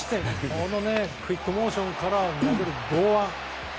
このクイックモーションから投げる、剛腕。